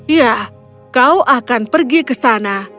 ya kau akan pergi ke sana